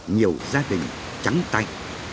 nhiều gia đình trắng tay